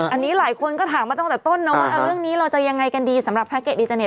อันนี้หลายคนก็ถามมาตั้งแต่ต้นนะว่าเรื่องนี้เราจะยังไงกันดีสำหรับพระเกตอินเตอร์เน็